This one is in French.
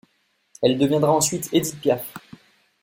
Elle deviendra ensuite Édith Piaf.